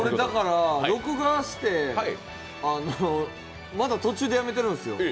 録画して、まだ途中でやめてるんですよ。